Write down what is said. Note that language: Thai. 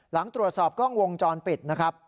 หลังตรวจสอบกล้องวงจรปิด